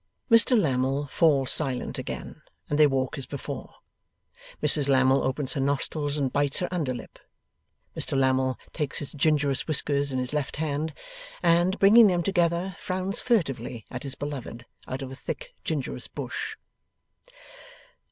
Mr Lammle falls silent again, and they walk as before. Mrs Lammle opens her nostrils and bites her under lip; Mr Lammle takes his gingerous whiskers in his left hand, and, bringing them together, frowns furtively at his beloved, out of a thick gingerous bush.